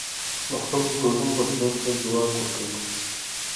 د خلکو ګډون بدلون ته ځواک ورکوي